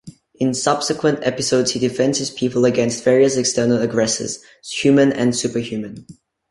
In subsequent episodes he defends his people against various external aggressors, human and superhuman.